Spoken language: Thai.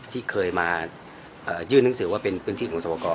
ที่เคยมายื่นหนังสือว่าเป็นพื้นที่ของสวกร